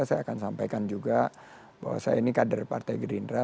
saya akan sampaikan juga bahwa saya ini kader partai gerindra